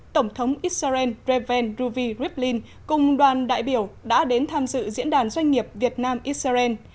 tổng thống israel reven ruvi rivlin cùng đoàn đại biểu đã đến tham dự diễn đàn doanh nghiệp việt nam israel